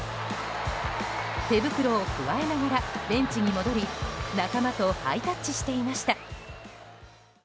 手袋をくわえながらベンチに戻り仲間とハイタッチしていました。